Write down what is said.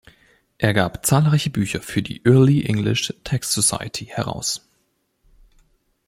Er gab zahlreiche Bücher für die Early English Text Society heraus.